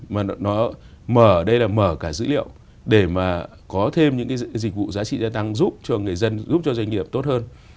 mà nó mở đây là mở cả dữ liệu để mà có thêm những cái dịch vụ giá trị gia tăng giúp cho người dân giúp cho doanh nghiệp tốt hơn